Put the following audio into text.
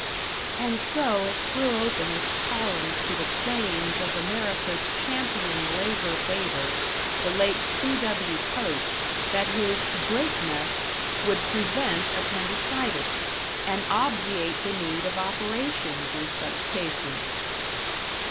And so it threw open its columns to the claims of America's champion labor baiter, the late C.W. Post, that his "Grapenuts" would prevent appendicitis, and obviate the need of operations in such cases!